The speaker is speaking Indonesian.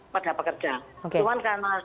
pada pekerja cuman karena